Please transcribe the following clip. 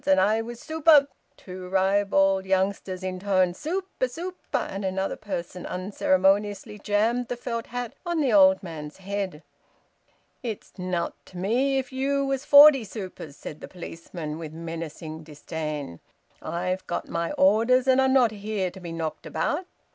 And I was Super " Two ribald youngsters intoned `Super, Super,' and another person unceremoniously jammed the felt hat on the old man's head. "It's nowt to me if ye was forty Supers," said the policeman, with menacing disdain. "I've got my orders, and I'm not here to be knocked about.